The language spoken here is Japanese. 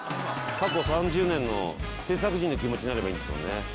過去３０年の制作陣の気持ちになればいいんですもんね。